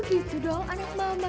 begitu dong anak mama